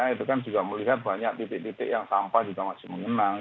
itu kan juga melihat banyak titik titik yang sampah juga masih mengenang